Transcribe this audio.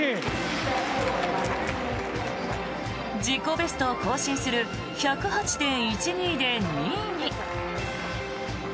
自己ベストを更新する１０８．１２で２位に。